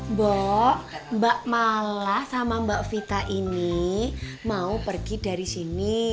mbak mbak malah sama mbak vita ini mau pergi dari sini